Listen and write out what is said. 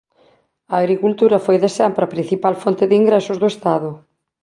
A agricultura foi de sempre a principal fonte de ingresos do estado.